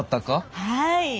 はい。